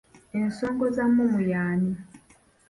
Ensongozamumu y'ani?